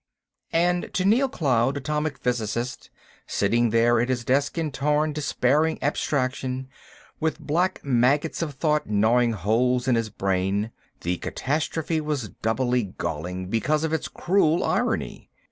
And to Neal Cloud, atomic physicist, sitting there at his desk in torn, despairing abstraction, with black maggots of thought gnawing holes in his brain, the catastrophe was doubly galling because of its cruel irony.